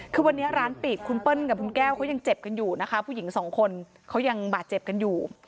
คือวันนี้ร้านปิดคุณเปิ้ลกับคุณแก้วเขายังเจ็บกันอยู่นะคะผู้หญิงสองคนเขายังบาดเจ็บกันอยู่